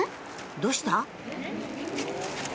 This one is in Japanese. どうした？